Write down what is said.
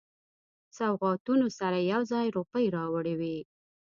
سوغاتونو سره یو ځای روپۍ راوړي وې.